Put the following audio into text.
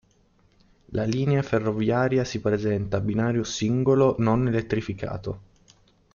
La linea ferroviaria si presenta a binario singolo, non elettrificato.